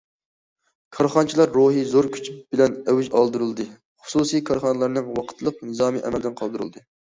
كارخانىچىلار روھى زور كۈچ بىلەن ئەۋج ئالدۇرۇلدى، خۇسۇسىي كارخانىلارنىڭ ۋاقىتلىق نىزامى ئەمەلدىن قالدۇرۇلدى.